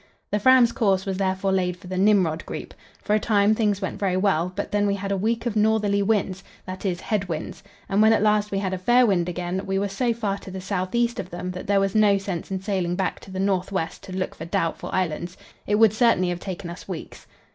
The Fram's course was therefore laid for the Nimrod group. For a time things went very well, but then we had a week of northerly winds that is, head winds and when at last we had a fair wind again, we were so far to the south east of them that there was no sense in sailing back to the north west to look for doubtful islands; it would certainly have taken us weeks.